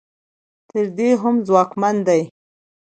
تر دې هم ځواکمن دي.